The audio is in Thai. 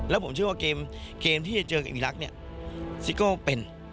แล้วผมเชื่อว่าเกมที่จะเจอกับอีรักษ์เนี่ยซิโก้เป็น